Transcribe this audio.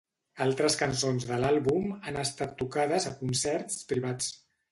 Altres cançons de l'àlbum han estat tocades a concerts privats.